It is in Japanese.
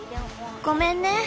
ごめんね。